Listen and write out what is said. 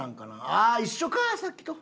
ああ一緒かさっきと。